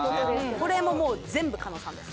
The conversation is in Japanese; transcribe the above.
これももう全部加納さんです。